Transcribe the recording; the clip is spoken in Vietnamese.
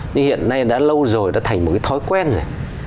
nhưng hiện nay đã lâu rồi đã thành một cái thói quen rồi